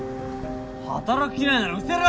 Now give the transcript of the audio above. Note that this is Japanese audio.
働く気ないならうせろ！